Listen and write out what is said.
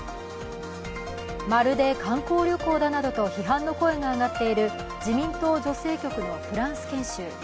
まるで観光旅行だなどと批判の声が上がっている自民党女性局のフランス研修。